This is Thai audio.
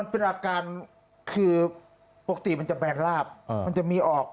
เป็นอาการคือปกติมันจะแบงลาบมันจะมีออก